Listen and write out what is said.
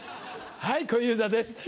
はい小遊三です。